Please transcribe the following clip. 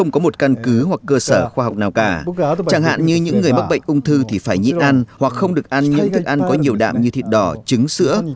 chẳng hạn như những người mắc bệnh ung thư thì phải nhịn ăn hoặc không được ăn những thức ăn có nhiều đạm như thịt đỏ trứng sữa